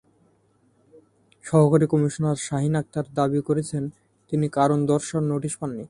সহকারী কমিশনার শাহীন আকতার দাবি করেছেন, তিনি কারণ দর্শাও নোটিশ পাননি।